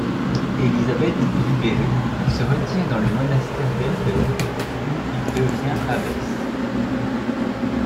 Elisabeth libérée se retire dans le monastère d'Elten où il devient abbesse.